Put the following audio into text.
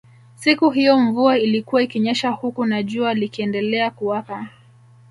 Siku hiyo mvua ilikuwa ikinyesha huku na jua likiendelea kuwaka